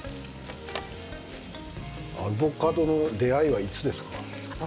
アボカドの出会いはいつですか？